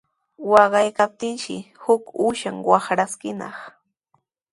Waqaykaptinnashi huk uushan watraskinaq.